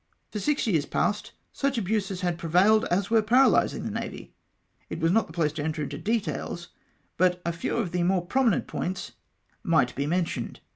"For six years past, such abuses had prevailed as were paralysing the Navy. It was not the place to enter into details, but a few of the more i:)rominent points might be •218 REPLY TO iiR. SHERIDAN. mentioned.